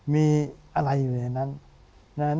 มีอะไรอยู่ในนั้น